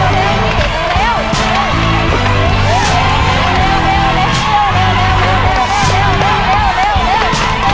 ตัวเล็กเชียร์ใหญ่เบิก